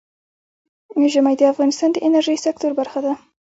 ژمی د افغانستان د انرژۍ سکتور برخه ده.